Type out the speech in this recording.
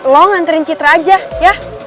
lo nganterin citra aja ya